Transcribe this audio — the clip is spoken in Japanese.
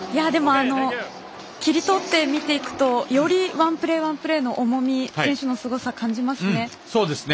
切り取って見ていくとよりワンプレー、ワンプレーの重み選手のすごさ、感じますね。